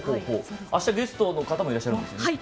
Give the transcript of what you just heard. あした、ゲストの方もいらっしゃるんですよね？